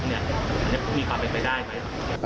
อันนี้มีความเป็นไปได้ไหม